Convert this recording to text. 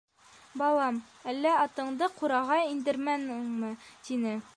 — Балам, әллә атыңды ҡураға индермәнеңме? — тине.